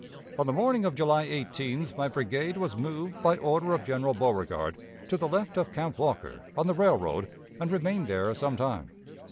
"On the morning of July 18th, my brigade was moved, by order of General Beauregard, to the left of Camp Walker, on the railroad, and remained there some time....